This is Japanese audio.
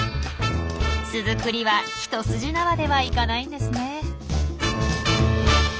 巣作りは一筋縄ではいかないんですね。